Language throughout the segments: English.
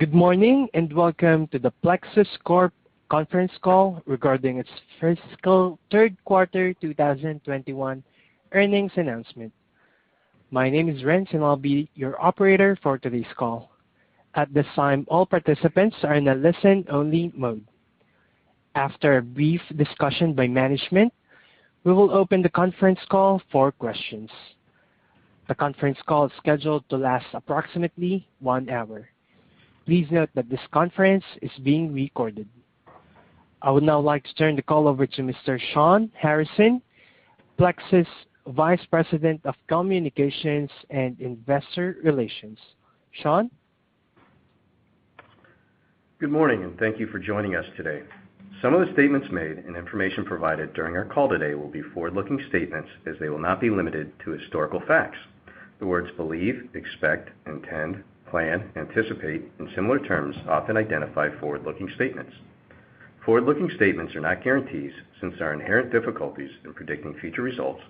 Good morning. Welcome to the Plexus Corp. conference call regarding its fiscal third quarter 2021 earnings announcement. My name is Renz. I'll be your operator for today's call. At this time, all participants are in a listen-only mode. After a brief discussion by management, we will open the conference call for questions. The conference call is scheduled to last approximately one hour. Please note that this conference is being recorded. I would now like to turn the call over to Mr. Shawn Harrison, Plexus Vice President of Communications and Investor Relations. Shawn? Good morning, thank you for joining us today. Some of the statements made and information provided during our call today will be forward-looking statements, as they will not be limited to historical facts. The words believe, expect, intend, plan, anticipate, and similar terms often identify forward-looking statements. Forward-looking statements are not guarantees since there are inherent difficulties in predicting future results,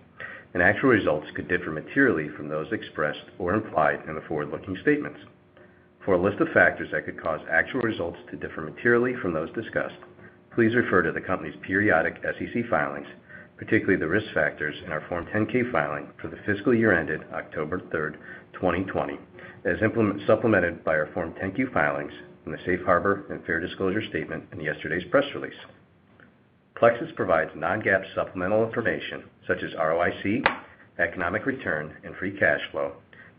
and actual results could differ materially from those expressed or implied in the forward-looking statements. For a list of factors that could cause actual results to differ materially from those discussed, please refer to the company's periodic SEC filings, particularly the risk factors in our Form 10-K filing for the fiscal year ended October 3rd, 2020, as supplemented by our Form 10-Q filings in the Safe Harbor and Fair Disclosure statement in yesterday's press release. Plexus provides non-GAAP supplemental information such as ROIC, economic return, and free cash flow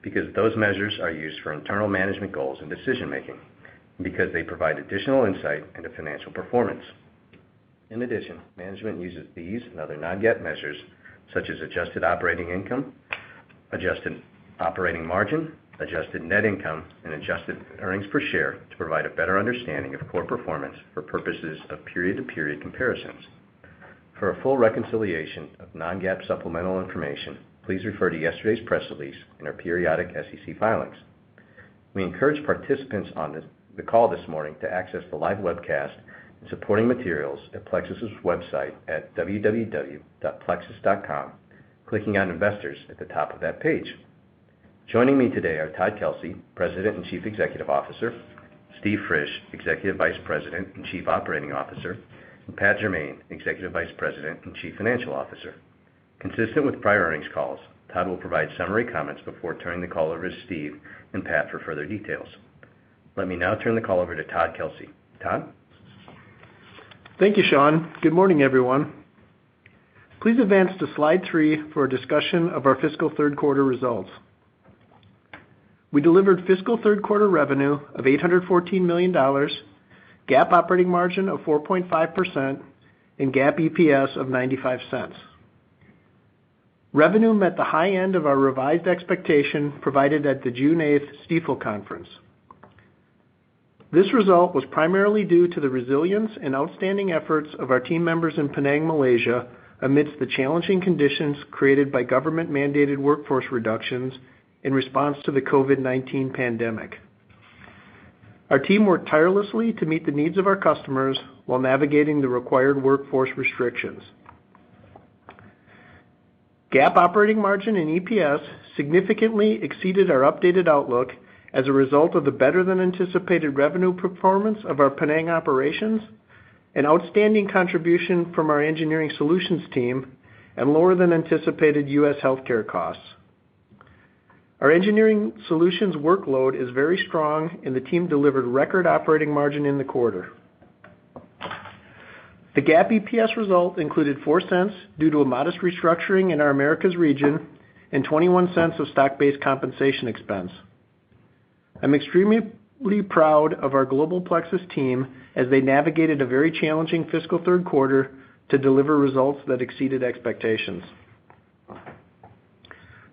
because those measures are used for internal management goals and decision-making, and because they provide additional insight into financial performance. In addition, management uses these and other non-GAAP measures such as adjusted operating income, adjusted operating margin, adjusted net income, and adjusted earnings per share to provide a better understanding of core performance for purposes of period-to-period comparisons. For a full reconciliation of non-GAAP supplemental information, please refer to yesterday's press release and our periodic SEC filings. We encourage participants on the call this morning to access the live webcast and supporting materials at Plexus's website at www.plexus.com, clicking on Investors at the top of that page. Joining me today are Todd Kelsey, President and Chief Executive Officer, Steve Frisch, Executive Vice President and Chief Operating Officer, and Pat Jermain, Executive Vice President and Chief Financial Officer. Consistent with prior earnings calls, Todd will provide summary comments before turning the call over to Steve and Pat for further details. Let me now turn the call over to Todd Kelsey. Todd? Thank you, Shawn. Good morning, everyone. Please advance to slide 3 for a discussion of our fiscal third-quarter results. We delivered fiscal third-quarter revenue of $814 million, GAAP operating margin of 4.5%, and GAAP EPS of $0.95. Revenue met the high end of our revised expectation provided at the June 8th Stifel Conference. This result was primarily due to the resilience and outstanding efforts of our team members in Penang, Malaysia, amidst the challenging conditions created by government-mandated workforce reductions in response to the COVID-19 pandemic. Our team worked tirelessly to meet the needs of our customers while navigating the required workforce restrictions. GAAP operating margin and EPS significantly exceeded our updated outlook as a result of the better-than-anticipated revenue performance of our Penang operations, an outstanding contribution from our engineering solutions team, and lower-than-anticipated U.S. healthcare costs. Our engineering solutions workload is very strong, and the team delivered record operating margin in the quarter. The GAAP EPS result included $0.04 due to a modest restructuring in our Americas region and $0.21 of stock-based compensation expense. I'm extremely proud of our global Plexus team as they navigated a very challenging fiscal third quarter to deliver results that exceeded expectations.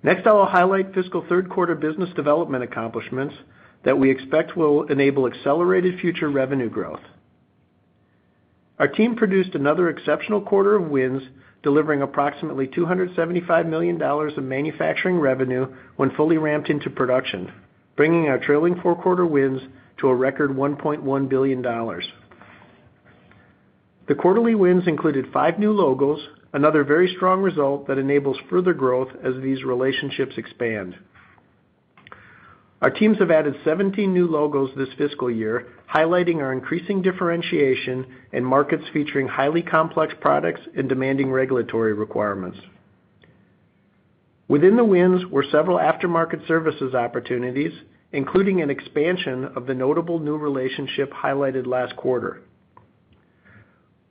Next, I'll highlight fiscal third-quarter business development accomplishments that we expect will enable accelerated future revenue growth. Our team produced another exceptional quarter of wins, delivering approximately $275 million in manufacturing revenue when fully ramped into production, bringing our trailing four-quarter wins to a record $1.1 billion. The quarterly wins included five new logos, another very strong result that enables further growth as these relationships expand. Our teams have added 17 new logos this fiscal year, highlighting our increasing differentiation in markets featuring highly complex products and demanding regulatory requirements. Within the wins were several aftermarket services opportunities, including an expansion of the notable new relationship highlighted last quarter.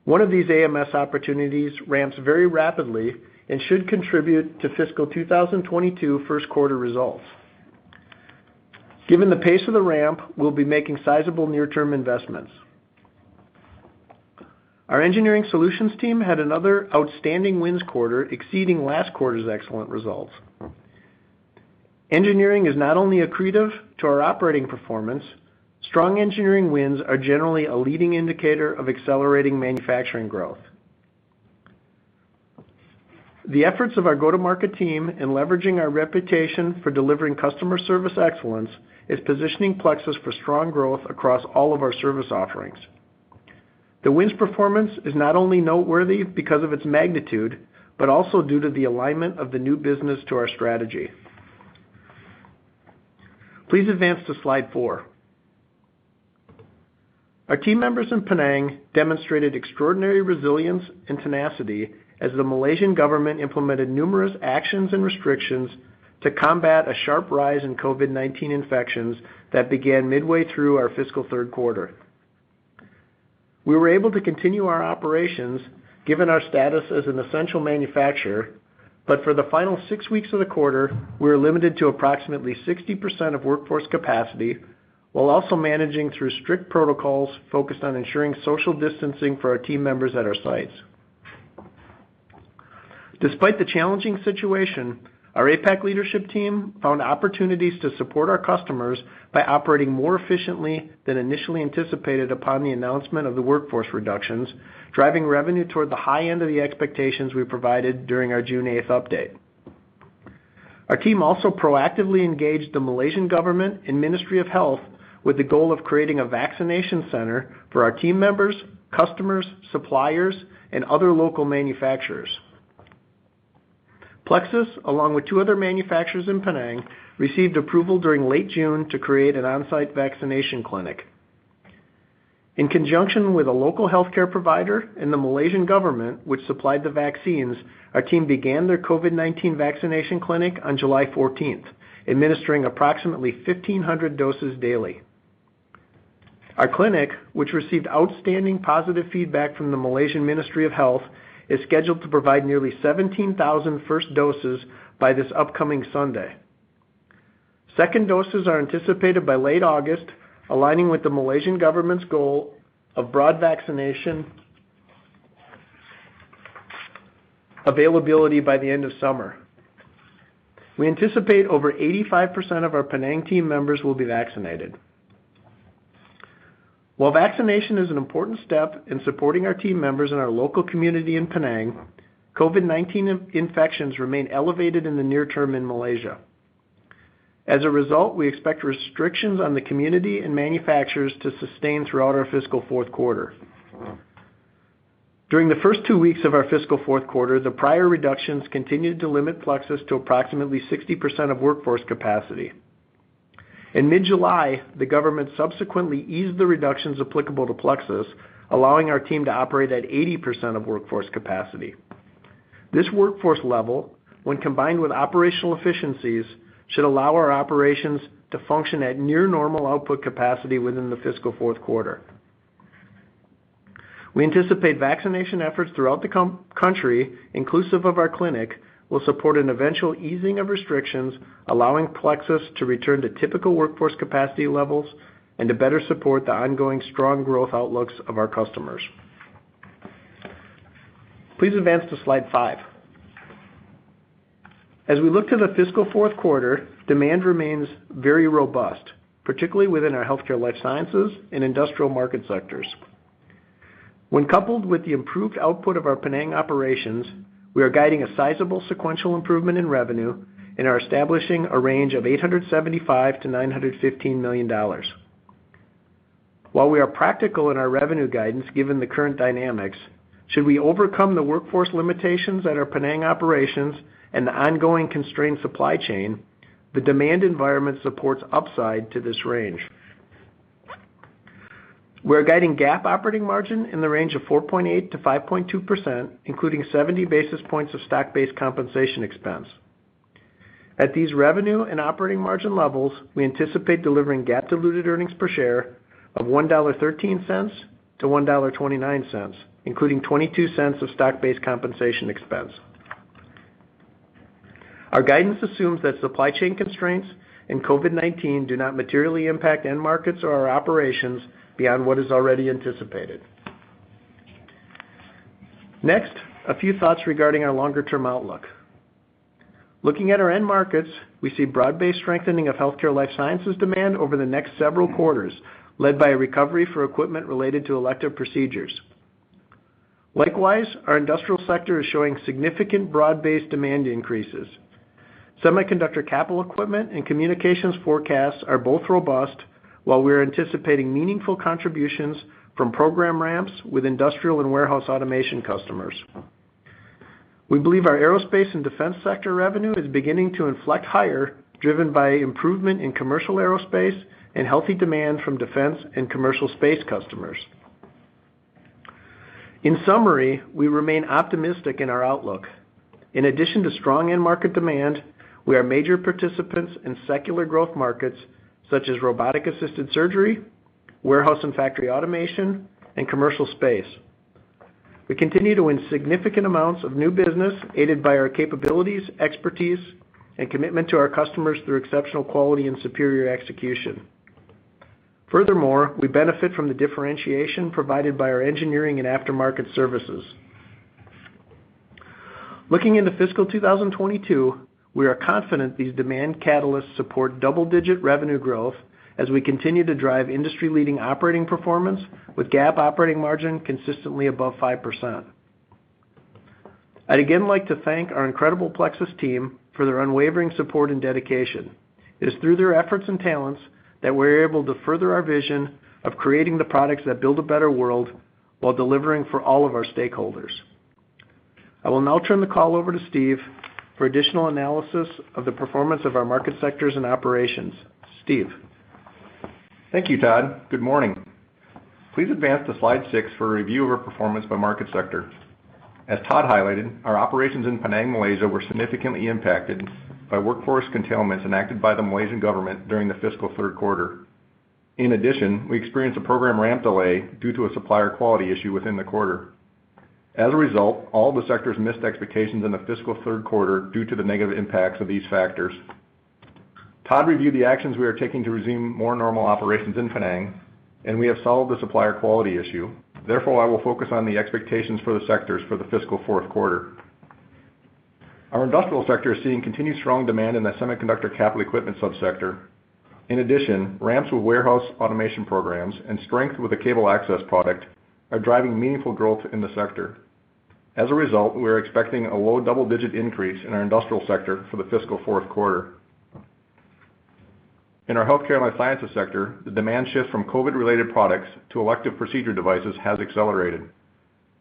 One of these AMS opportunities ramps very rapidly and should contribute to fiscal 2022 first-quarter results. Given the pace of the ramp, we'll be making sizable near-term investments. Our engineering solutions team had another outstanding wins quarter, exceeding last quarter's excellent results. Engineering is not only accretive to our operating performance, strong engineering wins are generally a leading indicator of accelerating manufacturing growth. The efforts of our go-to-market team in leveraging our reputation for delivering customer service excellence is positioning Plexus for strong growth across all of our service offerings. The win's performance is not only noteworthy because of its magnitude, but also due to the alignment of the new business to our strategy. Please advance to slide 4. Our team members in Penang demonstrated extraordinary resilience and tenacity as the Malaysian government implemented numerous actions and restrictions to combat a sharp rise in COVID-19 infections that began midway through our fiscal third quarter. We were able to continue our operations given our status as an essential manufacturer, but for the final six weeks of the quarter, we were limited to approximately 60% of workforce capacity while also managing through strict protocols focused on ensuring social distancing for our team members at our sites. Despite the challenging situation, our APAC leadership team found opportunities to support our customers by operating more efficiently than initially anticipated upon the announcement of the workforce reductions, driving revenue toward the high end of the expectations we provided during our June 8th update. Our team also proactively engaged the Malaysian government and Ministry of Health with the goal of creating a vaccination center for our team members, customers, suppliers, and other local manufacturers. Plexus, along with two other manufacturers in Penang, received approval during late June to create an on-site vaccination clinic. In conjunction with a local healthcare provider and the Malaysian government, which supplied the vaccines, our team began their COVID-19 vaccination clinic on July 14th, administering approximately 1,500 doses daily. Our clinic, which received outstanding positive feedback from the Malaysian Ministry of Health, is scheduled to provide nearly 17,000 first doses by this upcoming Sunday. Second doses are anticipated by late August, aligning with the Malaysian government's goal of broad vaccination availability by the end of summer. We anticipate over 85% of our Penang team members will be vaccinated. While vaccination is an important step in supporting our team members and our local community in Penang, COVID-19 infections remain elevated in the near term in Malaysia. As a result, we expect restrictions on the community and manufacturers to sustain throughout our fiscal fourth quarter. During the first two weeks of our fiscal fourth quarter, the prior reductions continued to limit Plexus to approximately 60% of workforce capacity. In mid-July, the government subsequently eased the reductions applicable to Plexus, allowing our team to operate at 80% of workforce capacity. This workforce level, when combined with operational efficiencies, should allow our operations to function at near normal output capacity within the fiscal fourth quarter. We anticipate vaccination efforts throughout the country, inclusive of our clinic, will support an eventual easing of restrictions, allowing Plexus to return to typical workforce capacity levels and to better support the ongoing strong growth outlooks of our customers. Please advance to slide 5. As we look to the fiscal fourth quarter, demand remains very robust, particularly within our Healthcare Life Sciences and Industrial market sectors. When coupled with the improved output of our Penang operations, we are guiding a sizable sequential improvement in revenue and are establishing a range of $875 million-$915 million. While we are practical in our revenue guidance given the current dynamics, should we overcome the workforce limitations at our Penang operations and the ongoing constrained supply chain, the demand environment supports upside to this range. We're guiding GAAP operating margin in the range of 4.8%-5.2%, including 70 basis points of stock-based compensation expense. At these revenue and operating margin levels, we anticipate delivering GAAP diluted earnings per share of $1.13-$1.29, including $0.22 of stock-based compensation expense. Our guidance assumes that supply chain constraints and COVID-19 do not materially impact end markets or our operations beyond what is already anticipated. Next, a few thoughts regarding our longer-term outlook. Looking at our end markets, we see broad-based strengthening of Healthcare Life Sciences demand over the next several quarters, led by a recovery for equipment related to elective procedures. Likewise, our Industrial sector is showing significant broad-based demand increases. Semiconductor capital equipment and communications forecasts are both robust, while we are anticipating meaningful contributions from program ramps with industrial and warehouse automation customers. We believe our Aerospace and Defense sector revenue is beginning to inflect higher, driven by improvement in commercial aerospace and healthy demand from defense and commercial space customers. In summary, we remain optimistic in our outlook. In addition to strong end market demand, we are major participants in secular growth markets such as robotic-assisted surgery, warehouse and factory automation, and commercial space. We continue to win significant amounts of new business aided by our capabilities, expertise, and commitment to our customers through exceptional quality and superior execution. Furthermore, we benefit from the differentiation provided by our engineering and aftermarket services. Looking into fiscal 2022, we are confident these demand catalysts support double-digit revenue growth as we continue to drive industry-leading operating performance with GAAP operating margin consistently above 5%. I'd again like to thank our incredible Plexus team for their unwavering support and dedication. It is through their efforts and talents that we're able to further our vision of creating the products that build a better world while delivering for all of our stakeholders. I will now turn the call over to Steve Frisch for additional analysis of the performance of our market sectors and operations. Steve Frisch? Thank you, Todd. Good morning. Please advance to slide 6 for a review of our performance by market sector. As Todd highlighted, our operations in Penang, Malaysia were significantly impacted by workforce containments enacted by the Malaysian government during the fiscal third quarter. In addition, we experienced a program ramp delay due to a supplier quality issue within the quarter. As a result, all the sectors missed expectations in the fiscal third quarter due to the negative impacts of these factors. Todd reviewed the actions we are taking to resume more normal operations in Penang, and we have solved the supplier quality issue. Therefore, I will focus on the expectations for the sectors for the fiscal fourth quarter. Our Industrial sector is seeing continued strong demand in the semiconductor capital equipment sub-sector. In addition, ramps with warehouse automation programs and strength with a cable access product are driving meaningful growth in the sector. As a result, we are expecting a low double-digit increase in our Industrial sector for the fiscal fourth quarter. In our Healthcare and Life Sciences sector, the demand shift from COVID-19 related products to elective procedure devices has accelerated.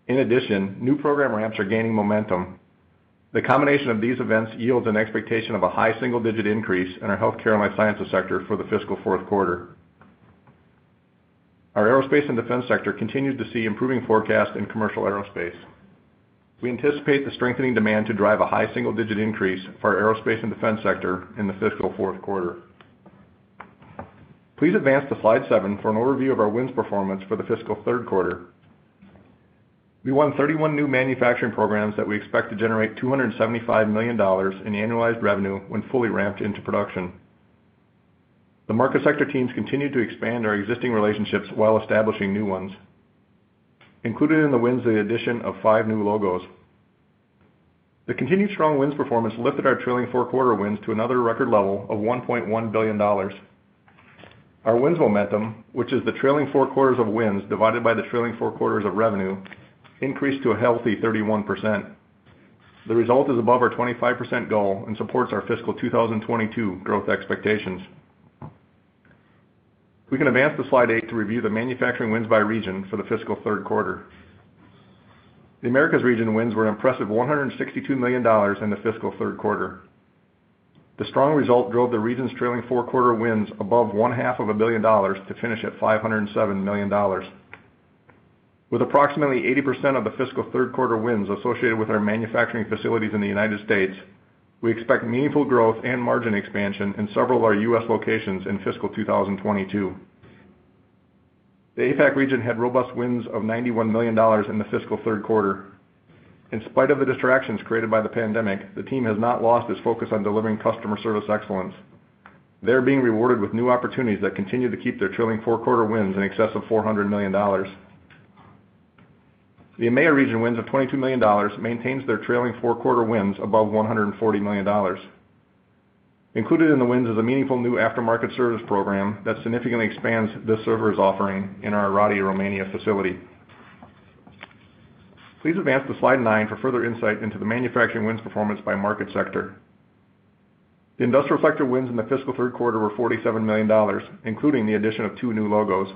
In addition, new program ramps are gaining momentum. The combination of these events yields an expectation of a high single-digit increase in our Healthcare and Life Sciences sector for the fiscal fourth quarter. Our Aerospace and Defense sector continues to see improving forecast in commercial aerospace. We anticipate the strengthening demand to drive a high single-digit increase for our Aerospace and Defense sector in the fiscal fourth quarter. Please advance to slide 7 for an overview of our wins performance for the fiscal third quarter. We won 31 new manufacturing programs that we expect to generate $275 million in annualized revenue when fully ramped into production. The market sector teams continued to expand our existing relationships while establishing new ones. Included in the wins, the addition of five new logos. The continued strong wins performance lifted our trailing four-quarter wins to another record level of $1.1 billion. Our wins momentum, which is the trailing four quarters of wins divided by the trailing four quarters of revenue, increased to a healthy 31%. The result is above our 25% goal and supports our fiscal 2022 growth expectations. We can advance to slide 8 to review the manufacturing wins by region for the fiscal third quarter. The Americas region wins were an impressive $162 million in the fiscal third quarter. The strong result drove the region's trailing fourth quarter wins above one-half of a billion dollars to finish at $507 million. With approximately 80% of the fiscal third quarter wins associated with our manufacturing facilities in the U.S., we expect meaningful growth and margin expansion in several of our U.S. locations in fiscal 2022. The APAC region had robust wins of $91 million in the fiscal third quarter. In spite of the distractions created by the pandemic, the team has not lost its focus on delivering customer service excellence. They are being rewarded with new opportunities that continue to keep their trailing four-quarter wins in excess of $400 million. The EMEA region wins of $22 million maintains their trailing four-quarter wins above $140 million. Included in the wins is a meaningful new aftermarket service program that significantly expands this service offering in our Oradea, Romania facility. Please advance to slide 9 for further insight into the manufacturing wins performance by market sector. The Industrial sector wins in the fiscal third quarter were $47 million, including the addition of two new logos.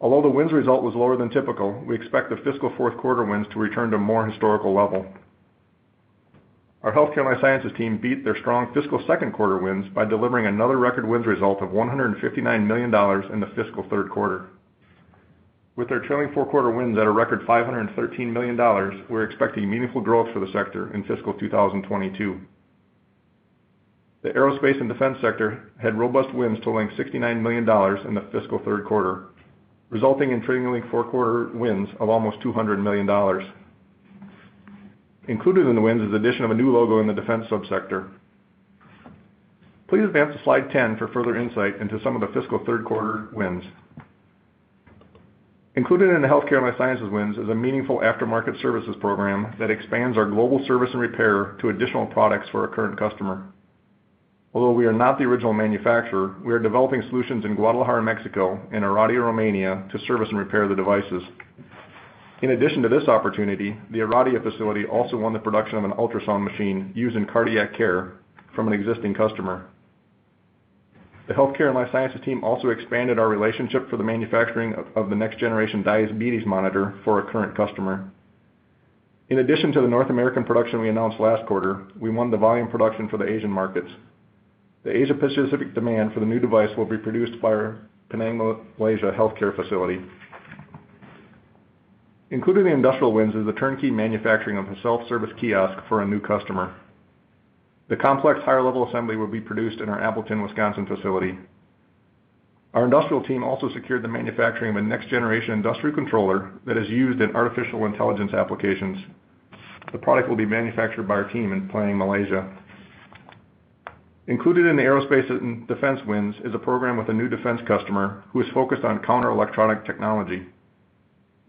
Although the wins result was lower than typical, we expect the fiscal fourth quarter wins to return to more historical level. Our Healthcare and Life Sciences team beat their strong fiscal second quarter wins by delivering another record wins result of $159 million in the fiscal third quarter. With their trailing four-quarter wins at a record $513 million, we're expecting meaningful growth for the sector in fiscal 2022. The Aerospace and Defense sector had robust wins totaling $69 million in the fiscal third quarter, resulting in trailing four-quarter wins of almost $200 million. Included in the wins is addition of a new logo in the Defense sub-sector. Please advance to slide 10 for further insight into some of the fiscal third quarter wins. Included in the Healthcare and Life Sciences wins is a meaningful aftermarket services program that expands our global service and repair to additional products for a current customer. Although we are not the original manufacturer, we are developing solutions in Guadalajara, Mexico, and Oradea, Romania to service and repair the devices. In addition to this opportunity, the Oradea facility also won the production of an ultrasound machine used in cardiac care from an existing customer. The Healthcare and Life Sciences team also expanded our relationship for the manufacturing of the next generation diabetes monitor for a current customer. In addition to the North American production we announced last quarter, we won the volume production for the Asian markets. The Asia Pacific demand for the new device will be produced by our Penang, Malaysia healthcare facility. Included in the Industrial wins is the turnkey manufacturing of a self-service kiosk for a new customer. The complex higher-level assembly will be produced in our Appleton, Wisconsin facility. Our Industrial team also secured the manufacturing of a next generation industrial controller that is used in artificial intelligence applications. The product will be manufactured by our team in Penang, Malaysia. Included in the Aerospace and Defense wins is a program with a new defense customer who is focused on counter-electronic technology.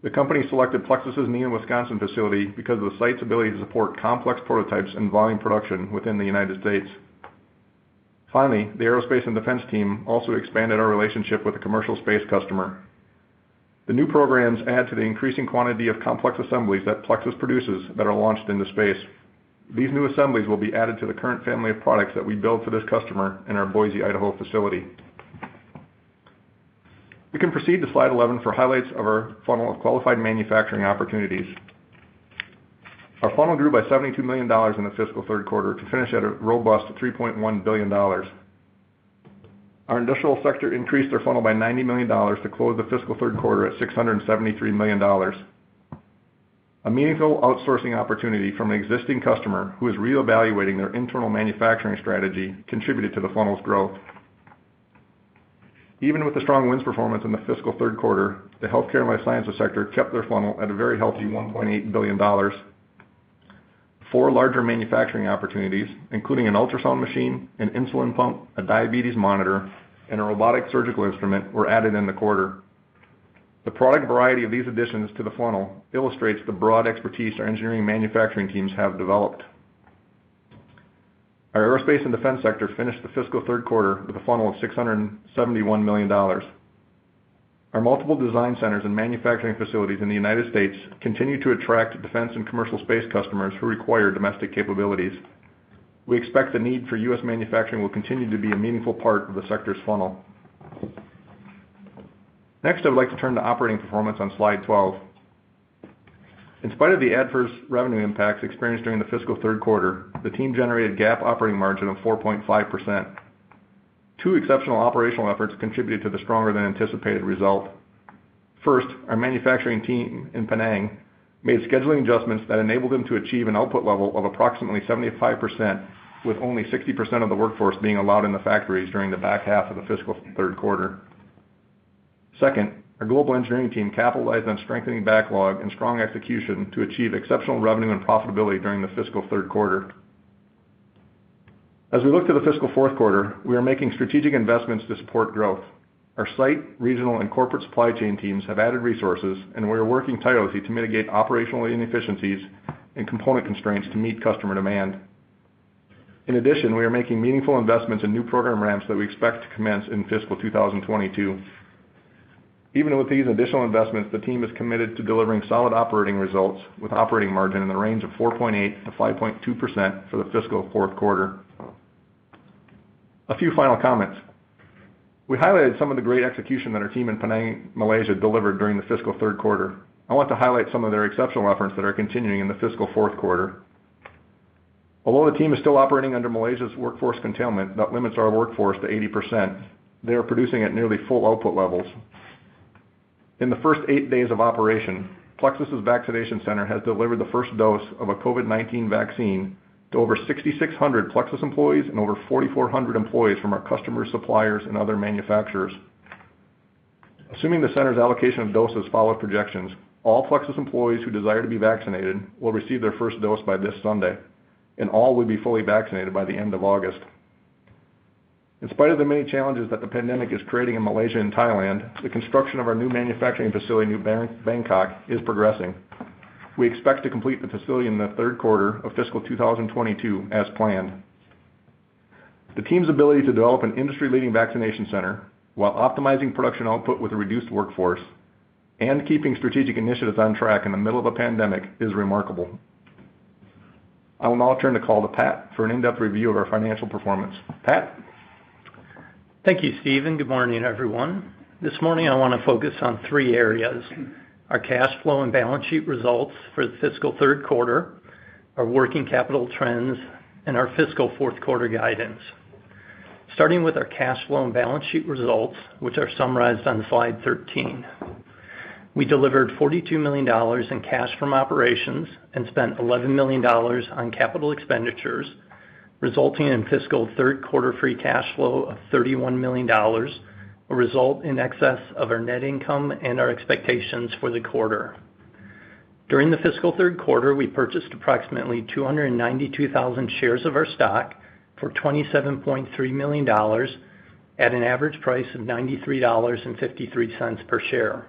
The company selected Plexus' Neenah, Wisconsin facility because of the site's ability to support complex prototypes and volume production within the United States. Finally, the Aerospace and Defense team also expanded our relationship with a commercial space customer. The new programs add to the increasing quantity of complex assemblies that Plexus produces that are launched into space. These new assemblies will be added to the current family of products that we build for this customer in our Boise, Idaho facility. We can proceed to slide 11 for highlights of our funnel of qualified manufacturing opportunities. Our funnel grew by $72 million in the fiscal third quarter to finish at a robust $3.1 billion. Our Industrial sector increased their funnel by $90 million to close the fiscal third quarter at $673 million. A meaningful outsourcing opportunity from an existing customer, who is reevaluating their internal manufacturing strategy, contributed to the funnel's growth. Even with the strong wins performance in the fiscal third quarter, the Healthcare and Life Sciences sector kept their funnel at a very healthy $1.8 billion. Four larger manufacturing opportunities, including an ultrasound machine, an insulin pump, a diabetes monitor, and a robotic surgical instrument, were added in the quarter. The product variety of these additions to the funnel illustrates the broad expertise our engineering and manufacturing teams have developed. Our Aerospace and Defense sector finished the fiscal third quarter with a funnel of $671 million. Our multiple design centers and manufacturing facilities in the United States continue to attract defense and commercial space customers who require domestic capabilities. We expect the need for U.S. manufacturing will continue to be a meaningful part of the sector's funnel. Next, I would like to turn to operating performance on slide 12. In spite of the adverse revenue impacts experienced during the fiscal third quarter, the team generated GAAP operating margin of 4.5%. Two exceptional operational efforts contributed to the stronger than anticipated result. First, our manufacturing team in Penang made scheduling adjustments that enabled them to achieve an output level of approximately 75%, with only 60% of the workforce being allowed in the factories during the back half of the fiscal third quarter. Second, our global engineering team capitalized on strengthening backlog and strong execution to achieve exceptional revenue and profitability during the fiscal third quarter. As we look to the fiscal fourth quarter, we are making strategic investments to support growth. Our site, regional, and corporate supply chain teams have added resources, and we are working tirelessly to mitigate operational inefficiencies and component constraints to meet customer demand. In addition, we are making meaningful investments in new program ramps that we expect to commence in fiscal 2022. Even with these additional investments, the team is committed to delivering solid operating results, with operating margin in the range of 4.8%-5.2% for the fiscal fourth quarter. A few final comments. We highlighted some of the great execution that our team in Penang, Malaysia, delivered during the fiscal third quarter. I want to highlight some of their exceptional efforts that are continuing in the fiscal fourth quarter. Although the team is still operating under Malaysia's workforce containment that limits our workforce to 80%, they are producing at nearly full output levels. In the first eight days of operation, Plexus' vaccination center has delivered the first dose of a COVID-19 vaccine to over 6,600 Plexus employees and over 4,400 employees from our customers, suppliers, and other manufacturers. Assuming the center's allocation of doses follow projections, all Plexus employees who desire to be vaccinated will receive their first dose by this Sunday, and all will be fully vaccinated by the end of August. In spite of the many challenges that the pandemic is creating in Malaysia and Thailand, the construction of our new manufacturing facility in Bangkok is progressing. We expect to complete the facility in the third quarter of fiscal 2022 as planned. The team's ability to develop an industry-leading vaccination center while optimizing production output with a reduced workforce and keeping strategic initiatives on track in the middle of a pandemic is remarkable. I will now turn the call to Pat for an in-depth review of our financial performance. Pat? Thank you, Steve. Good morning, everyone. This morning, I want to focus on three areas: our cash flow and balance sheet results for the fiscal third quarter, our working capital trends, and our fiscal fourth quarter guidance. Starting with our cash flow and balance sheet results, which are summarized on slide 13. We delivered $42 million in cash from operations and spent $11 million on capital expenditures, resulting in fiscal third quarter free cash flow of $31 million, a result in excess of our net income and our expectations for the quarter. During the fiscal third quarter, we purchased approximately 292,000 shares of our stock for $27.3 million at an average price of $93.53 per share.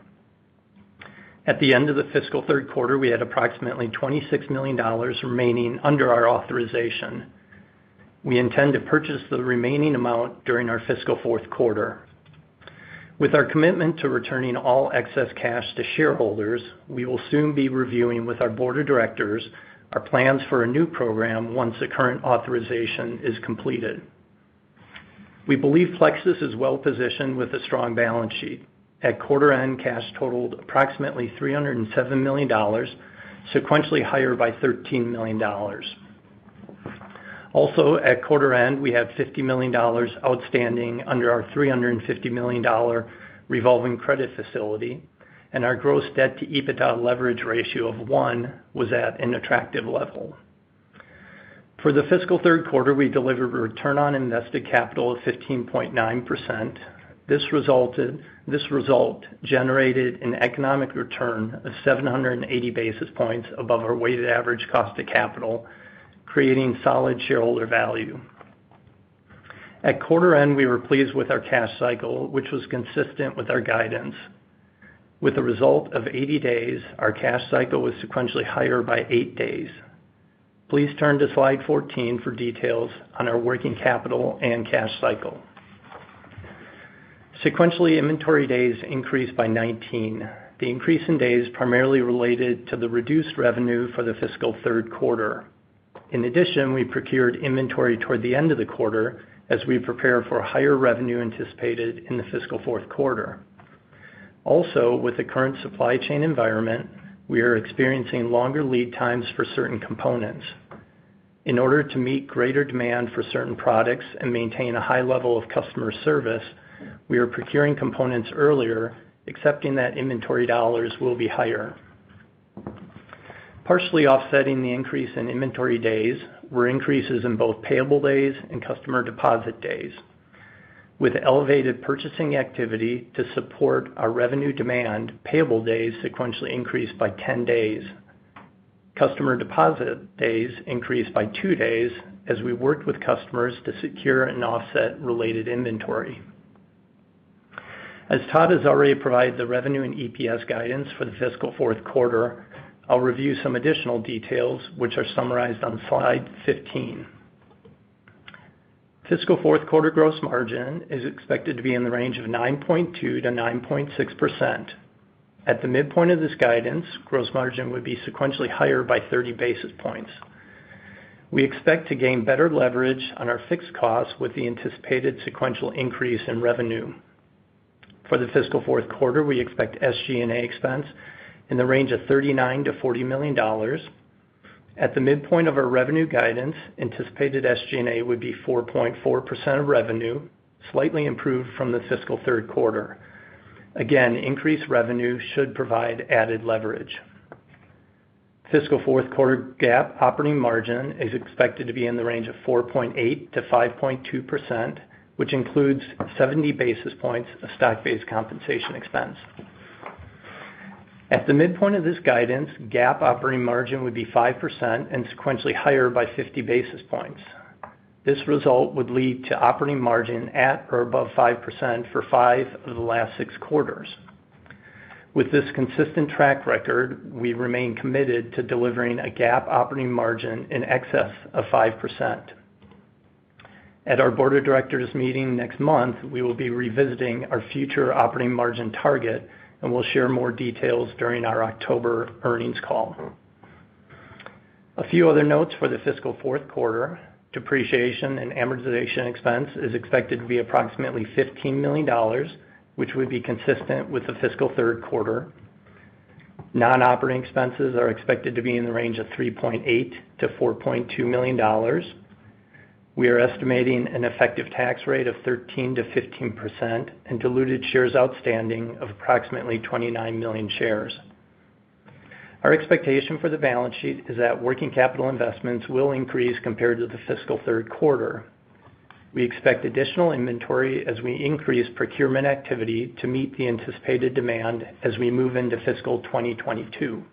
At the end of the fiscal third quarter, we had approximately $26 million remaining under our authorization. We intend to purchase the remaining amount during our fiscal fourth quarter. With our commitment to returning all excess cash to shareholders, we will soon be reviewing with our board of directors our plans for a new program once the current authorization is completed. We believe Plexus is well-positioned with a strong balance sheet. At quarter end, cash totaled approximately $307 million, sequentially higher by $13 million. Also, at quarter end, we have $50 million outstanding under our $350 million revolving credit facility, and our gross debt-to-EBITDA leverage ratio of 1 was at an attractive level. For the fiscal third quarter, we delivered a return on invested capital of 15.9%. This result generated an economic return of 780 basis points above our weighted average cost of capital, creating solid shareholder value. At quarter end, we were pleased with our cash cycle, which was consistent with our guidance. With a result of 80 days, our cash cycle was sequentially higher by eight days. Please turn to slide 14 for details on our working capital and cash cycle. Sequentially, inventory days increased by 19. The increase in days primarily related to the reduced revenue for the fiscal third quarter. In addition, we procured inventory toward the end of the quarter as we prepare for higher revenue anticipated in the fiscal fourth quarter. Also, with the current supply chain environment, we are experiencing longer lead times for certain components. In order to meet greater demand for certain products and maintain a high level of customer service, we are procuring components earlier, accepting that inventory dollars will be higher. Partially offsetting the increase in inventory days were increases in both payable days and customer deposit days. With elevated purchasing activity to support our revenue demand, payable days sequentially increased by 10 days. Customer deposit days increased by two days as we worked with customers to secure and offset related inventory. As Todd has already provided the revenue and EPS guidance for the fiscal fourth quarter, I'll review some additional details, which are summarized on slide 15. Fiscal fourth quarter gross margin is expected to be in the range of 9.2%-9.6%. At the midpoint of this guidance, gross margin would be sequentially higher by 30 basis points. We expect to gain better leverage on our fixed costs with the anticipated sequential increase in revenue. For the fiscal fourth quarter, we expect SG&A expense in the range of $39 million-$40 million. At the midpoint of our revenue guidance, anticipated SG&A would be 4.4% of revenue, slightly improved from the fiscal third quarter. Again, increased revenue should provide added leverage. Fiscal fourth quarter GAAP operating margin is expected to be in the range of 4.8%-5.2%, which includes 70 basis points of stock-based compensation expense. At the midpoint of this guidance, GAAP operating margin would be 5% and sequentially higher by 50 basis points. This result would lead to operating margin at or above 5% for five of the last six quarters. With this consistent track record, we remain committed to delivering a GAAP operating margin in excess of 5%. At our board of directors meeting next month, we will be revisiting our future operating margin target, and we will share more details during our October earnings call. A few other notes for the fiscal fourth quarter, depreciation and amortization expense is expected to be approximately $15 million, which would be consistent with the fiscal third quarter. Non-operating expenses are expected to be in the range of $3.8 million-$4.2 million. We are estimating an effective tax rate of 13%-15%, and diluted shares outstanding of approximately 29 million shares. Our expectation for the balance sheet is that working capital investments will increase compared to the fiscal third quarter. We expect additional inventory as we increase procurement activity to meet the anticipated demand as we move into fiscal 2022.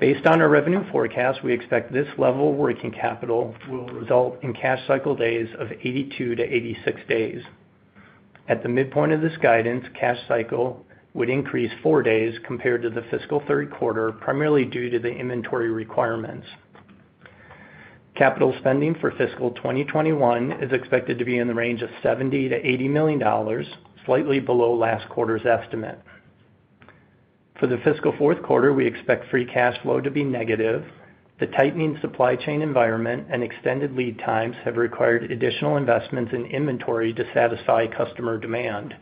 Based on our revenue forecast, we expect this level of working capital will result in cash cycle days of 82-86 days. At the midpoint of this guidance, cash cycle would increase four days compared to the fiscal third quarter, primarily due to the inventory requirements. Capital spending for fiscal 2021 is expected to be in the range of $70 million-$80 million, slightly below last quarter's estimate. For the fiscal fourth quarter, we expect free cash flow to be negative. The tightening supply chain environment and extended lead times have required additional investments in inventory to satisfy customer demand.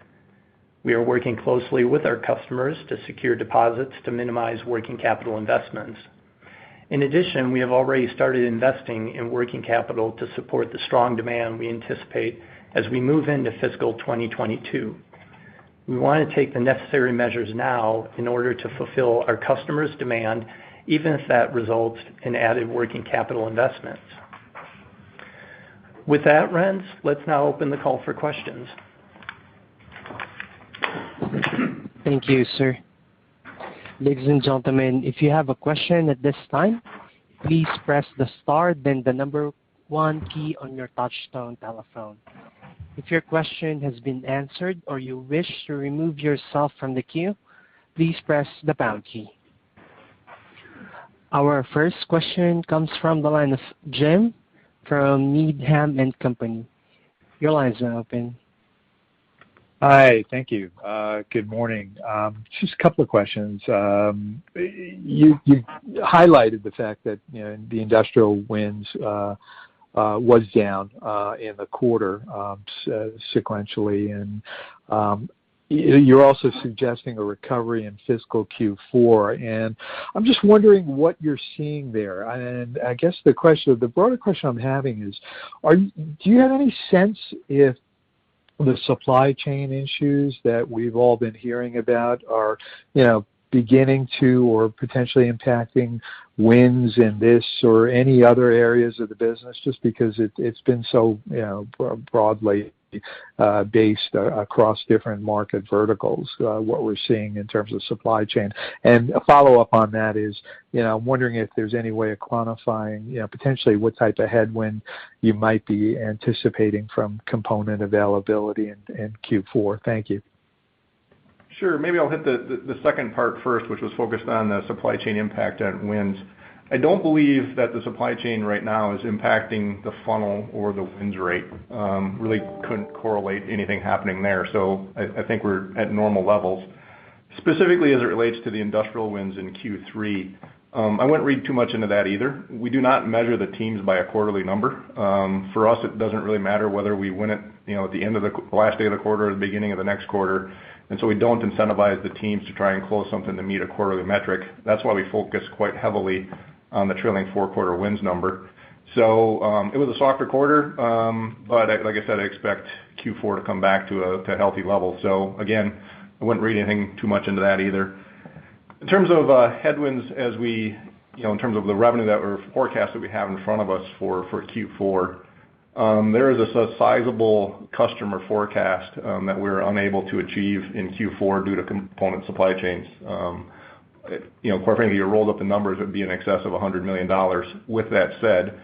We are working closely with our customers to secure deposits to minimize working capital investments. In addition, we have already started investing in working capital to support the strong demand we anticipate as we move into fiscal 2022. We want to take the necessary measures now in order to fulfill our customers' demand, even if that results in added working capital investments. With that, Renz, let's now open the call for questions. Thank you, sir. Ladies and gentlemen, if you have a question at this time, please press the star, then the number one key on your touchtone telephone. If your question has been answered or you wish to remove yourself from the queue, please press the pound key. Our first question comes from the line of Jim from Needham & Company. Your line is now open. Hi. Thank you. Good morning. Just a couple of questions. You highlighted the fact that the Industrial wins was down in the quarter sequentially, and you're also suggesting a recovery in fiscal Q4, and I'm just wondering what you're seeing there? I guess the broader question I'm having is, do you have any sense if the supply chain issues that we've all been hearing about are beginning to or potentially impacting wins in this or any other areas of the business, just because it's been so broadly based across different market verticals, what we're seeing in terms of supply chain? A follow-up on that is, I'm wondering if there's any way of quantifying potentially what type of headwind you might be anticipating from component availability in Q4. Thank you. Sure. Maybe I'll hit the second part first, which was focused on the supply chain impact on wins. I don't believe that the supply chain right now is impacting the funnel or the wins rate. Really couldn't correlate anything happening there. I think we're at normal levels. Specifically, as it relates to the Industrial wins in Q3, I wouldn't read too much into that either. We do not measure the teams by a quarterly number. For us, it doesn't really matter whether we win it at the end of the last day of the quarter or the beginning of the next quarter. We don't incentivize the teams to try and close something to meet a quarterly metric. That's why we focus quite heavily on the trailing four-quarter wins number. It was a softer quarter, but like I said, I expect Q4 to come back to a healthy level. Again, I wouldn't read anything too much into that either. In terms of headwinds, in terms of the revenue forecast that we have in front of us for Q4, there is a sizable customer forecast that we're unable to achieve in Q4 due to component supply chains. Quite frankly, if you rolled up the numbers, it would be in excess of $100 million. With that said,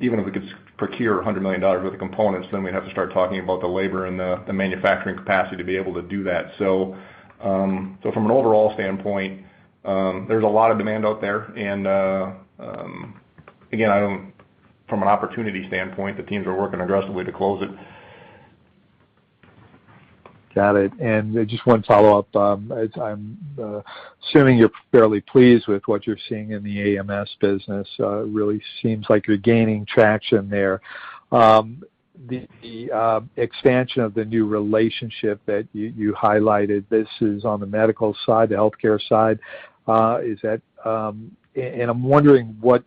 even if we could procure $100 million worth of components, then we'd have to start talking about the labor and the manufacturing capacity to be able to do that. From an overall standpoint, there's a lot of demand out there, and again, from an opportunity standpoint, the teams are working aggressively to close it. Got it. Just one follow-up. I'm assuming you're fairly pleased with what you're seeing in the AMS business. It really seems like you're gaining traction there. The expansion of the new relationship that you highlighted, this is on the medical side, the healthcare side. I'm wondering what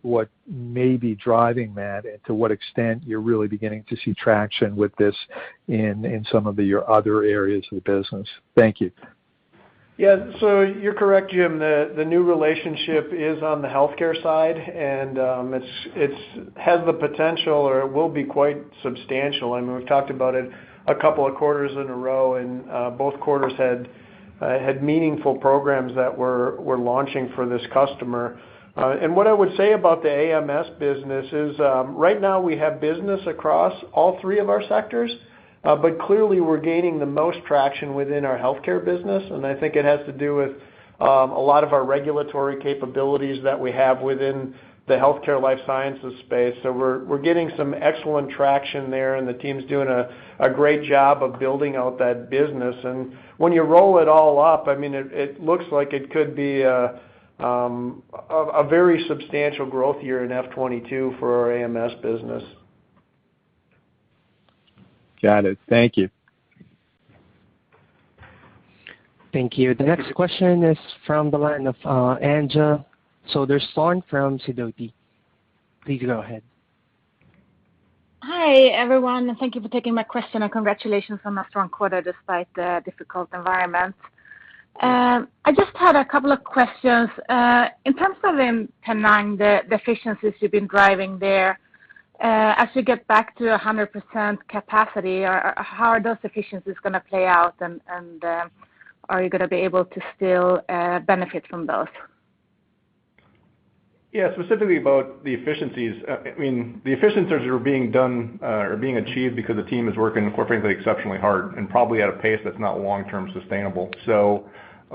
may be driving that and to what extent you're really beginning to see traction with this in some of your other areas of the business. Thank you. Yeah. You're correct, Jim, the new relationship is on the healthcare side, and it has the potential, or it will be quite substantial. I mean, we've talked about it a couple of quarters in a row, and both quarters had meaningful programs that we're launching for this customer. What I would say about the AMS business is, right now we have business across all three of our sectors. Clearly we're gaining the most traction within our Healthcare business, and I think it has to do with a lot of our regulatory capabilities that we have within the Healthcare and Life Sciences space. We're getting some excellent traction there, and the team's doing a great job of building out that business. When you roll it all up, it looks like it could be a very substantial growth year in FY 2022 for our AMS business. Got it. Thank you. Thank you. The next question is from the line of Anja Soderstrom from Sidoti. Please go ahead. Hi, everyone, and thank you for taking my question, and congratulations on a strong quarter despite the difficult environment. I just had a couple of questions. In terms of implementing the efficiencies you've been driving there, as you get back to 100% capacity, how are those efficiencies going to play out, and are you going to be able to still benefit from those? Yeah, specifically about the efficiencies. The efficiencies are being achieved because the team is working quite frankly, exceptionally hard, and probably at a pace that's not long-term sustainable.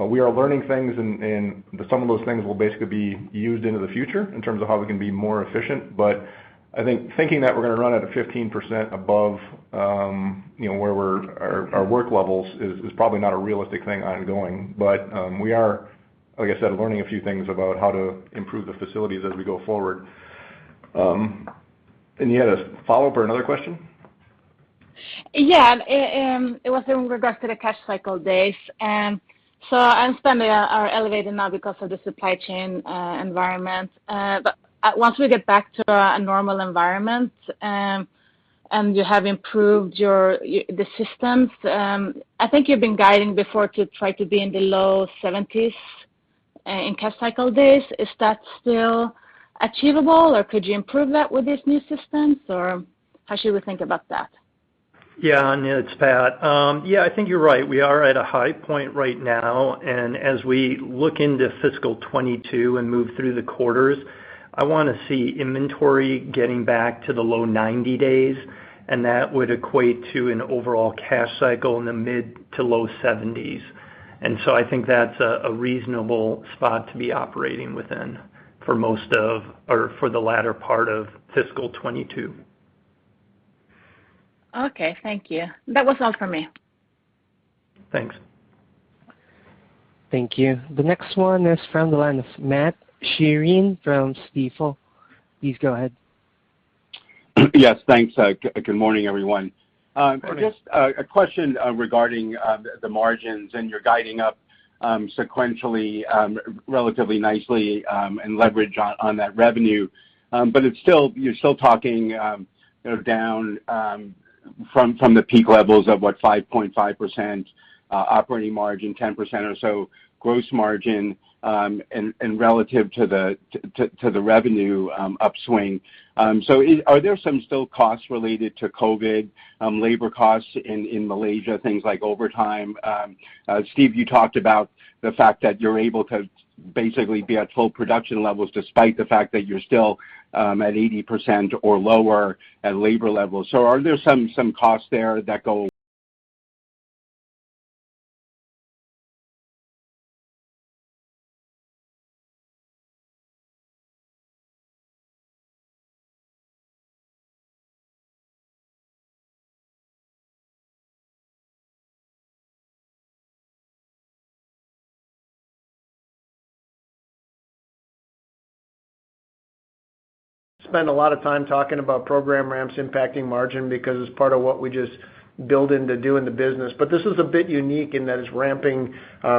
We are learning things, and some of those things will basically be used into the future in terms of how we can be more efficient. I think thinking that we're going to run at a 15% above our work levels is probably not a realistic thing ongoing. We are, like I said, learning a few things about how to improve the facilities as we go forward. You had a follow-up or another question? Yeah. It was in regards to the cash cycle days. Understanding are elevated now because of the supply chain environment. Once we get back to a normal environment, and you have improved the systems, I think you've been guiding before to try to be in the low 70s in cash cycle days. Is that still achievable, or could you improve that with these new systems, or how should we think about that? Yeah, Anja Soderstrom, it's Pat Jermain. I think you're right. As we look into fiscal 2022 and move through the quarters, I want to see inventory getting back to the low 90 days, and that would equate to an overall cash cycle in the mid to low 70s. I think that's a reasonable spot to be operating within for the latter part of fiscal 2022. Okay, thank you. That was all for me. Thanks. Thank you. The next one is from the line of Matt Sheerin from Stifel. Please go ahead. Yes, thanks. Good morning, everyone. Good morning. Just a question regarding the margins, and you're guiding up sequentially relatively nicely in leverage on that revenue. You're still talking down from the peak levels of what, 5.5% operating margin, 10% or so gross margin, and relative to the revenue upswing. Are there some still costs related to COVID, labor costs in Malaysia, things like overtime? Steve, you talked about the fact that you're able to basically be at full production levels despite the fact that you're still at 80% or lower at labor levels. Are there some costs there that go- Spend a lot of time talking about program ramps impacting margin because it's part of what we just build into doing the business. This is a bit unique in that it's ramping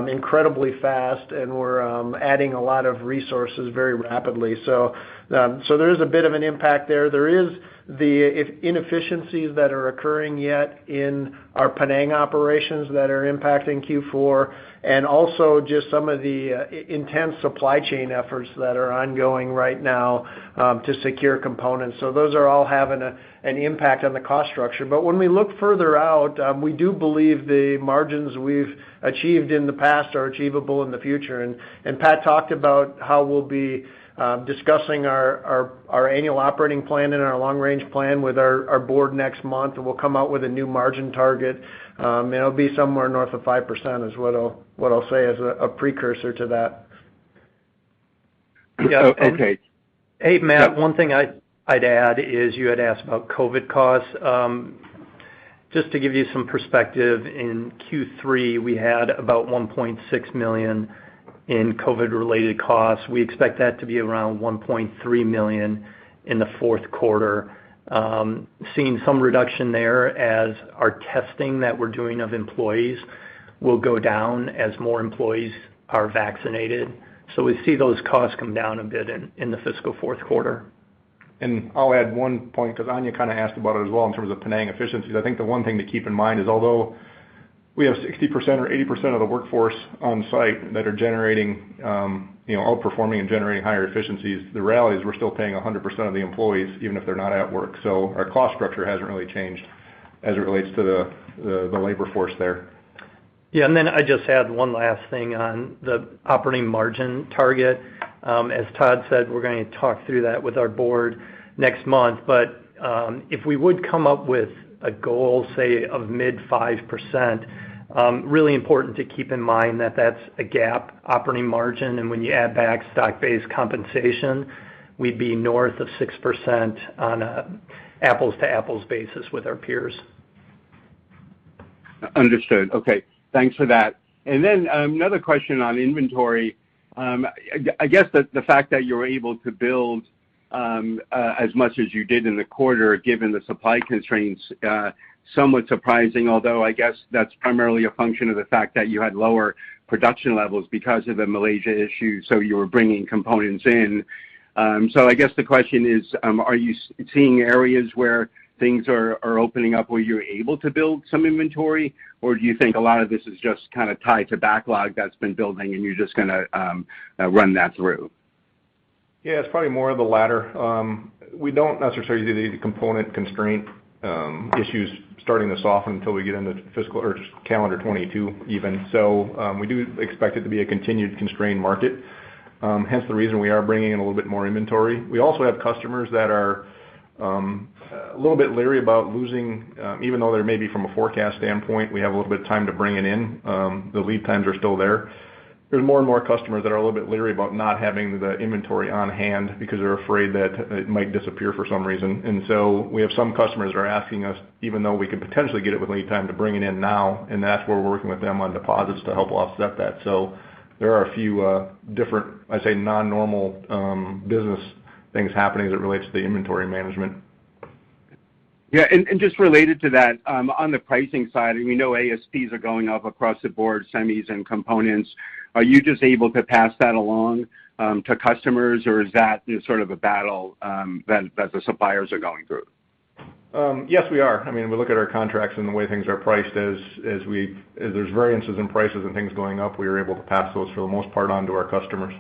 incredibly fast and we're adding a lot of resources very rapidly. There is a bit of an impact there. There is the inefficiencies that are occurring yet in our Penang operations that are impacting Q4, and also just some of the intense supply chain efforts that are ongoing right now to secure components. Those are all having an impact on the cost structure. When we look further out, we do believe the margins we've achieved in the past are achievable in the future. Pat talked about how we'll be discussing our annual operating plan and our long-range plan with our board next month, and we'll come out with a new margin target. It'll be somewhere north of 5%, is what I'll say as a precursor to that. Okay. Hey, Matt, one thing I'd add is you had asked about COVID costs. Just to give you some perspective, in Q3, we had about $1.6 million in COVID-related costs. We expect that to be around $1.3 million in the fourth quarter. Seeing some reduction there as our testing that we're doing of employees will go down as more employees are vaccinated. We see those costs come down a bit in the fiscal fourth quarter. I'll add one point, because Anja kind of asked about it as well, in terms of Penang efficiencies. I think the one thing to keep in mind is, although we have 60% or 80% of the workforce on site that are outperforming and generating higher efficiencies, the reality is we're still paying 100% of the employees, even if they're not at work. Our cost structure hasn't really changed as it relates to the labor force there. Yeah. Then I'd just add one last thing on the operating margin target. As Todd said, we're going to talk through that with our board next month. If we would come up with a goal, say, of mid 5%, really important to keep in mind that that's a GAAP operating margin. When you add back stock-based compensation, we'd be north of 6% on an apples-to-apples basis with our peers. Understood. Okay. Thanks for that. Another question on inventory. I guess the fact that you're able to build as much as you did in the quarter, given the supply constraints, somewhat surprising, although I guess that's primarily a function of the fact that you had lower production levels because of the Malaysia issue, so you were bringing components in. I guess the question is, are you seeing areas where things are opening up where you're able to build some inventory, or do you think a lot of this is just kind of tied to backlog that's been building and you're just going to run that through? Yeah. It's probably more of the latter. We don't necessarily see the component constraint issues starting to soften until we get into calendar 2022 even. We do expect it to be a continued constrained market, hence the reason we are bringing in a little bit more inventory. We also have customers that are a little bit leery about losing, even though they're maybe from a forecast standpoint, we have a little bit of time to bring it in. The lead times are still there. There's more and more customers that are a little bit leery about not having the inventory on hand because they're afraid that it might disappear for some reason. We have some customers that are asking us, even though we could potentially get it with lead time, to bring it in now, and that's where we're working with them on deposits to help offset that. There are a few different, I say, non-normal business things happening as it relates to the inventory management. Yeah. Just related to that, on the pricing side, we know ASPs are going up across the board, semis and components. Are you just able to pass that along to customers, or is that sort of a battle that the suppliers are going through? Yes, we are. We look at our contracts and the way things are priced. There's variances in prices and things going up, we are able to pass those, for the most part, on to our customers.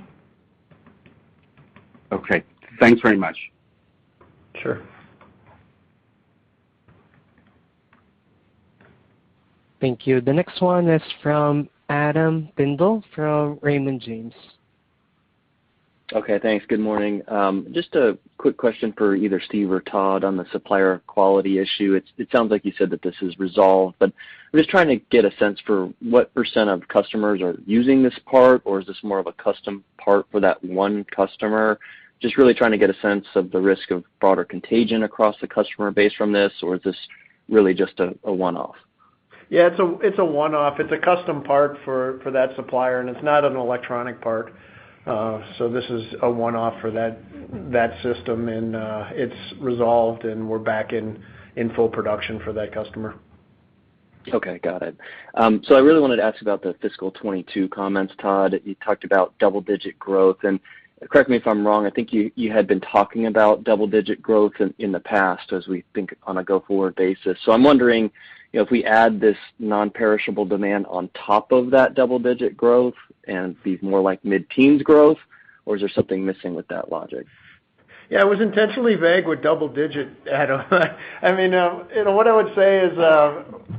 Okay. Thanks very much. Sure. Thank you. The next one is from Adam Tindle from Raymond James. Okay, thanks. Good morning. Just a quick question for either Steve or Todd on the supplier quality issue. It sounds like you said that this is resolved, but I'm just trying to get a sense for what percent of customers are using this part, or is this more of a custom part for that one customer? Just really trying to get a sense of the risk of broader contagion across the customer base from this, or is this really just a one-off? Yeah, it's a one-off. It's a custom part for that supplier, and it's not an electronic part. This is a one-off for that system, and it's resolved and we're back in full production for that customer. Okay, got it. I really wanted to ask about the fiscal 2022 comments, Todd. You talked about double-digit growth, and correct me if I'm wrong, I think you had been talking about double-digit growth in the past as we think on a go-forward basis. I'm wondering if we add this non-perishable demand on top of that double-digit growth and be more like mid-teens growth, or is there something missing with that logic? Yeah, I was intentionally vague with double-digit, Adam Tindle. What I would say is,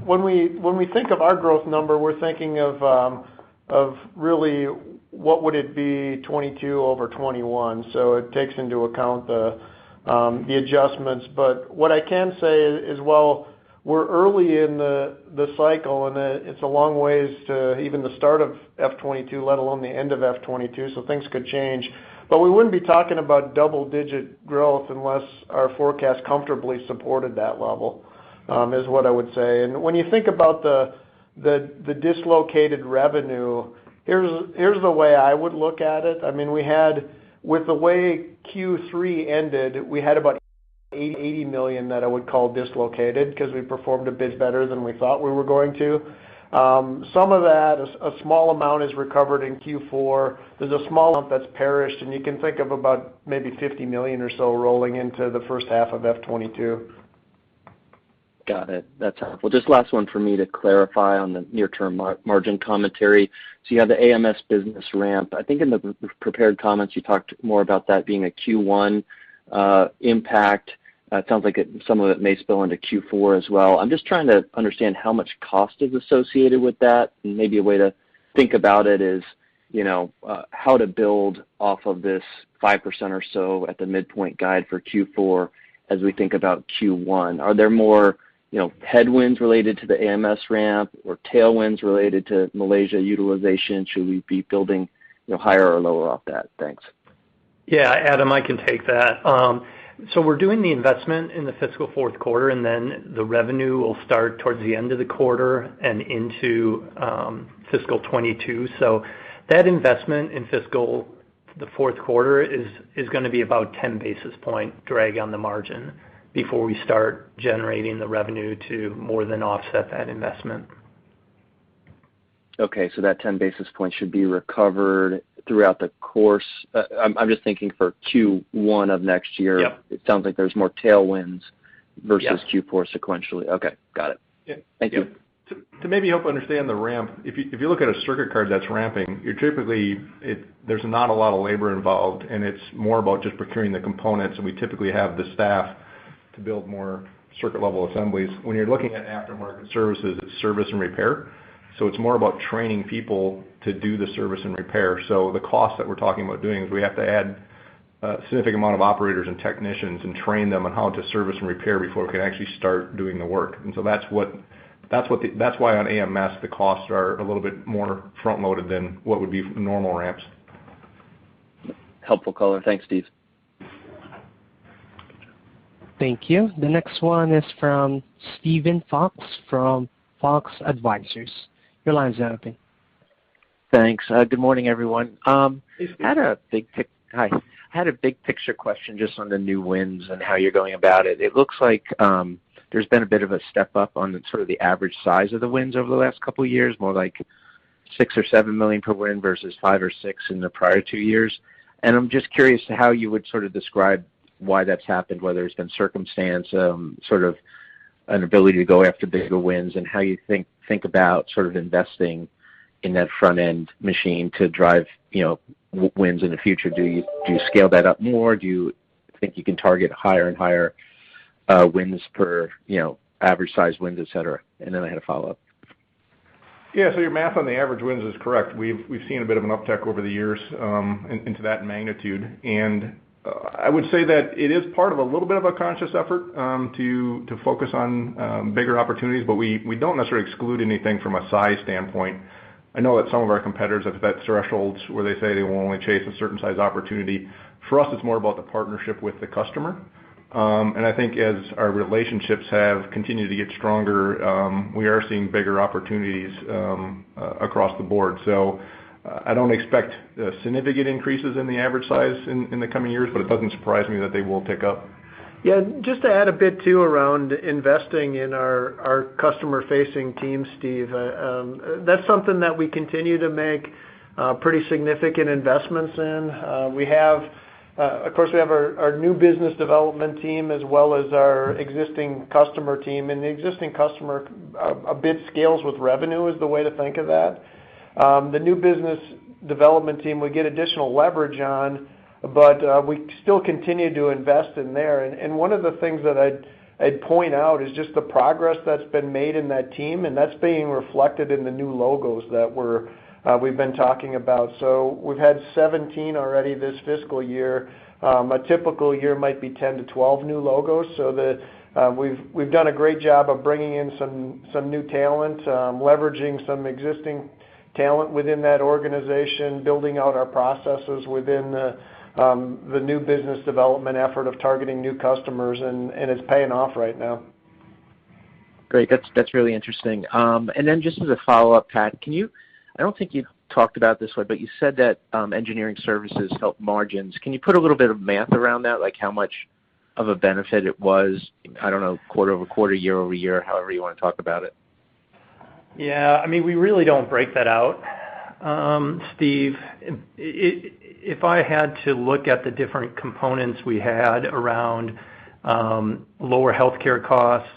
when we think of our growth number, we're thinking of really what would it be 2022 over 2021. It takes into account the adjustments. What I can say is while we're early in the cycle. It's a long way to even the start of FY 2022, let alone the end of FY 2022. Things could change. We wouldn't be talking about double-digit growth unless our forecast comfortably supported that level, is what I would say. When you think about the dislocated revenue, here's the way I would look at it. With the way Q3 ended, we had about $80 million that I would call dislocated, because we performed a bit better than we thought we were going to. Some of that, a small amount is recovered in Q4. There's a small amount that's perished. You can think of about maybe $50 million or so rolling into the first half of FY 2022. Got it. That's helpful. Just last one from me to clarify on the near-term margin commentary. You have the AMS business ramp. I think in the prepared comments, you talked more about that being a Q1 impact. It sounds like some of it may spill into Q4 as well. I'm just trying to understand how much cost is associated with that, and maybe a way to think about it is how to build off of this 5% or so at the midpoint guide for Q4 as we think about Q1. Are there more headwinds related to the AMS ramp or tailwinds related to Malaysia utilization? Should we be building higher or lower off that? Thanks. Adam, I can take that. We're doing the investment in the fiscal fourth quarter, the revenue will start towards the end of the quarter and into FY 2022. That investment in the fiscal fourth quarter is going to be about 10 basis point drag on the margin before we start generating the revenue to more than offset that investment. Okay, that 10 basis point should be recovered throughout the course. I'm just thinking for Q1 of next year. Yeah. It sounds like there's more tailwinds- Yeah. -versus Q4 sequentially. Okay. Got it. Yeah. Thank you. To maybe help understand the ramp, if you look at a circuit card that's ramping, typically there's not a lot of labor involved, and it's more about just procuring the components, and we typically have the staff to build more circuit-level assemblies. When you're looking at aftermarket services, it's service and repair. It's more about training people to do the service and repair. The cost that we're talking about doing is we have to add a significant amount of operators and technicians and train them on how to service and repair before we can actually start doing the work. That's why on AMS, the costs are a little bit more front-loaded than what would be normal ramps. Helpful color. Thanks, Steve. Thank you. The next one is from Steven Fox from Fox Advisors. Your line's open. Thanks. Good morning, everyone. Steve. Hi. I had a big picture question just on the new wins and how you're going about it. It looks like there's been a bit of a step-up on sort of the average size of the wins over the last couple of years, more like $6 million or $7 million per win versus $5 million or $6 million in the prior two years. I'm just curious to how you would sort of describe why that's happened, whether it's been circumstance, sort of an ability to go after bigger wins, and how you think about sort of investing in that front-end machine to drive wins in the future. Do you scale that up more? Do you think you can target higher and higher wins per average size wins, et cetera? Then I had a follow-up. Yeah. Your math on the average wins is correct. We've seen a bit of an uptick over the years into that magnitude. I would say that it is part of a little bit of a conscious effort to focus on bigger opportunities. We don't necessarily exclude anything from a size standpoint. I know that some of our competitors have thresholds where they say they will only chase a certain size opportunity. For us, it's more about the partnership with the customer. I think as our relationships have continued to get stronger, we are seeing bigger opportunities across the board. I don't expect significant increases in the average size in the coming years. It doesn't surprise me that they will tick up. Yeah. Just to add a bit too around investing in our customer-facing team, Steve. That's something that we continue to make pretty significant investments in. We have our new business development team as well as our existing customer team, and the existing customer a bit scales with revenue, is the way to think of that. The new business development team, we get additional leverage on, but we still continue to invest in there. One of the things that I'd point out is just the progress that's been made in that team, and that's being reflected in the new logos that we've been talking about. We've had 17 already this fiscal year. A typical year might be 10-12 new logos. We've done a great job of bringing in some new talent, leveraging some existing talent within that organization, building out our processes within the new business development effort of targeting new customers, and it's paying off right now. Great. That's really interesting. Then just as a follow-up, Pat, I don't think you talked about it this way, but you said that engineering solutions help margins. Can you put a little bit of math around that, like how much of a benefit it was, I don't know, quarter-over-quarter, year-over-year, however you want to talk about it? Yeah. We really don't break that out, Steve. If I had to look at the different components we had around lower healthcare costs,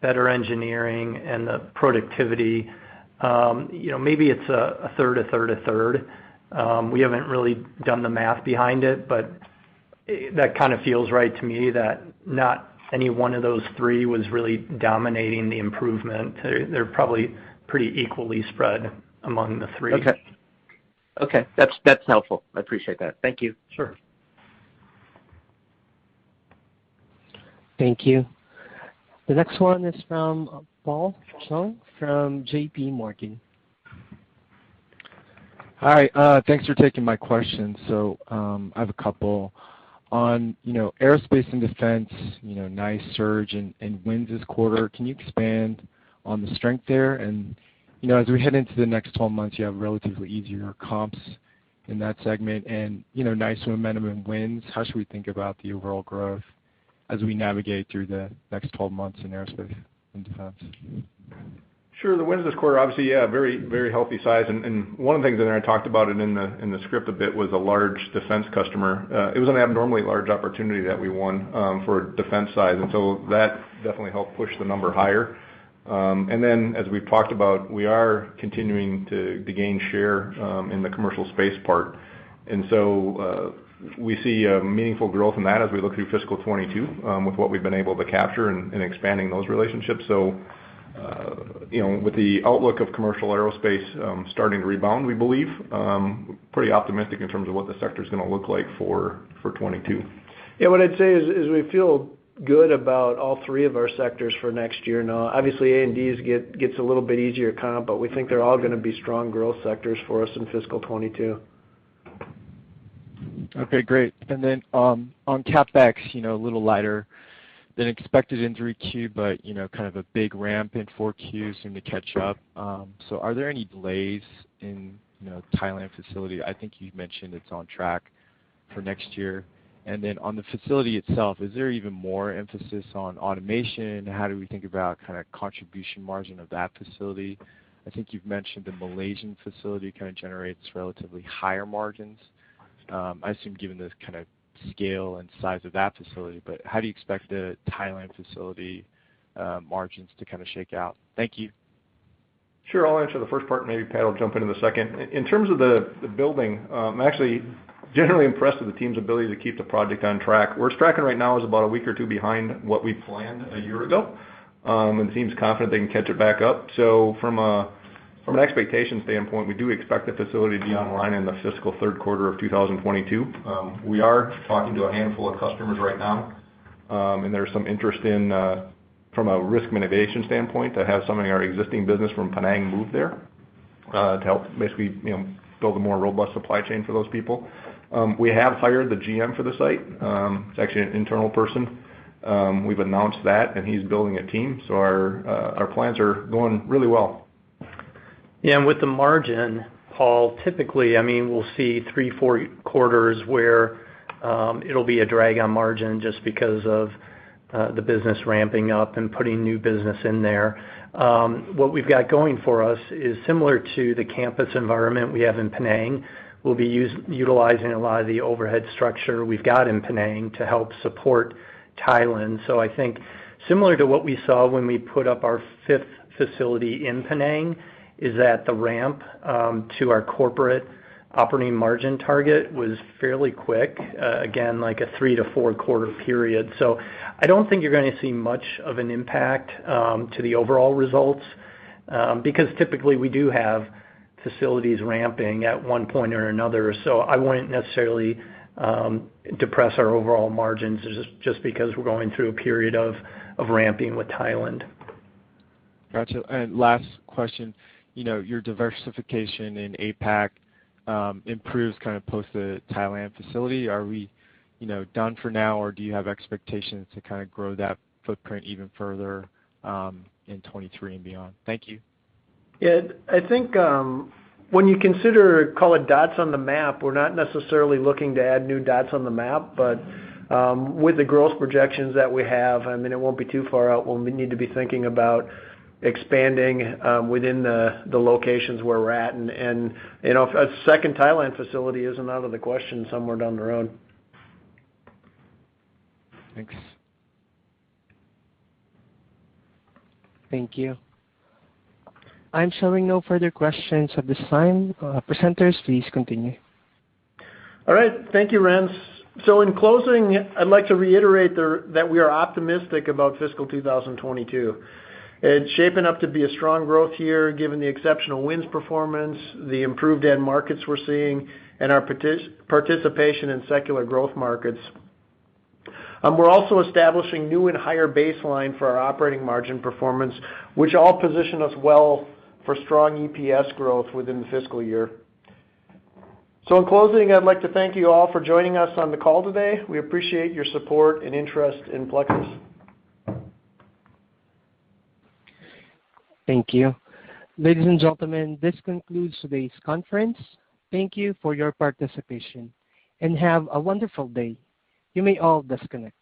better engineering, and the productivity, maybe it's a third, a third, a third. We haven't really done the math behind it, but that kind of feels right to me, that not any one of those three was really dominating the improvement. They're probably pretty equally spread among the three. Okay. That's helpful. I appreciate that. Thank you. Sure. Thank you. The next one is from Paul Chung from JPMorgan. Hi, thanks for taking my question. I have a couple. On Aerospace and Defense, nice surge in wins this quarter. Can you expand on the strength there? As we head into the next 12 months, you have relatively easier comps in that segment and nice momentum in wins. How should we think about the overall growth as we navigate through the next 12 months in Aerospace and Defense? Sure. The wins this quarter, obviously, very healthy size. One of the things in there, I talked about it in the script a bit, was a large defense customer. It was an abnormally large opportunity that we won for defense size, and so that definitely helped push the number higher. As we've talked about, we are continuing to gain share in the commercial space part. We see meaningful growth in that as we look through fiscal 2022, with what we've been able to capture and expanding those relationships. With the outlook of commercial aerospace starting to rebound, we believe, pretty optimistic in terms of what the sector's going to look like for 2022. Yeah, what I'd say is we feel good about all three of our sectors for next year. Now, obviously, A&D gets a little bit easier comp, but we think they're all going to be strong growth sectors for us in fiscal 2022. Okay, great. On CapEx, a little lighter than expected in 3Q, kind of a big ramp in 4Q, soon to catch up. Are there any delays in Thailand facility? I think you've mentioned it's on track for next year. On the facility itself, is there even more emphasis on automation? How do we think about kind of contribution margin of that facility? I think you've mentioned the Malaysian facility kind of generates relatively higher margins. I assume given the kind of scale and size of that facility, how do you expect the Thailand facility margins to kind of shake out? Thank you. Sure. I'll answer the first part and maybe Pat will jump into the second. In terms of the building, I'm actually generally impressed with the team's ability to keep the project on track. Where it's tracking right now is about one week or two behind what we planned a year ago. The team's confident they can catch it back up. From an expectation standpoint, we do expect the facility to be online in the fiscal third quarter of 2022. We are talking to a handful of customers right now, there's some interest in, from a risk mitigation standpoint, to have some of our existing business from Penang move there, to help basically build a more robust supply chain for those people. We have hired the GM for the site. It's actually an internal person. We've announced that, he's building a team. Our plans are going really well. Yeah, with the margin, Paul, typically, we'll see three, four quarters where it'll be a drag on margin just because of the business ramping up and putting new business in there. What we've got going for us is similar to the campus environment we have in Penang. We'll be utilizing a lot of the overhead structure we've got in Penang to help support Thailand. I think similar to what we saw when we put up our fifth facility in Penang, is that the ramp to our corporate operating margin target was fairly quick. Again, like a 3-4 quarter period. I don't think you're going to see much of an impact to the overall results, because typically we do have facilities ramping at one point or another. I wouldn't necessarily depress our overall margins just because we're going through a period of ramping with Thailand. Got you. Last question. Your diversification in APAC improves kind of post the Thailand facility. Are we done for now, or do you have expectations to kind of grow that footprint even further in 2023 and beyond? Thank you. Yeah. I think when you consider, call it dots on the map, we're not necessarily looking to add new dots on the map. With the growth projections that we have, it won't be too far out when we need to be thinking about expanding within the locations where we're at. A second Thailand facility isn't out of the question somewhere down the road. Thanks. Thank you. I'm showing no further questions at this time. Presenters, please continue. All right. Thank you, Renz. In closing, I'd like to reiterate that we are optimistic about fiscal 2022. It's shaping up to be a strong growth year, given the exceptional wins performance, the improved end markets we're seeing, and our participation in secular growth markets. We're also establishing new and higher baseline for our operating margin performance, which all position us well for strong EPS growth within the fiscal year. In closing, I'd like to thank you all for joining us on the call today. We appreciate your support and interest in Plexus. Thank you. Ladies and gentlemen, this concludes today's conference. Thank you for your participation, and have a wonderful day. You may all disconnect.